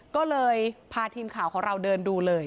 ก็เลยพาทีมข่าวของเราเดินดูเลย